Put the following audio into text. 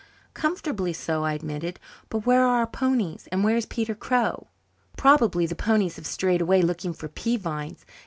"Comfortably so," I admitted. "But where are our ponies? And where is Peter Crow?" "Probably the ponies have strayed away looking for pea vines.